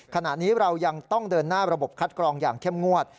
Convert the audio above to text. ขณะนี้เรายังต้องเดินหน้าระบบคัดกรองอย่างเข้มงวด